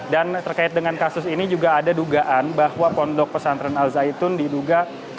dan terkait dengan kasus ini juga ada dugaan bahwa pono pesantren al zaitun diduga